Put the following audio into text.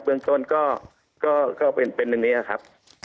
เมืองต้นก็เป็นอย่างนี้ครับ